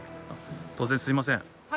突然すみません。